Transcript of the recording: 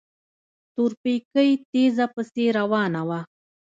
تورپيکۍ تېزه پسې روانه وه.